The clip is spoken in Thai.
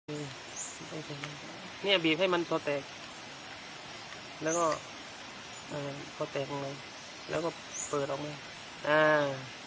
เนี่ยบีบให้มันโปรแตกแล้วก็อ่าโปรแตกหนึ่งแล้วก็เปิดออกมาอ่า